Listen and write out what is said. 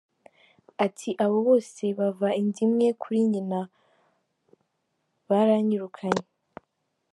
Ati "Abo bose bava inda imwe kuri nyina baranyirukanye.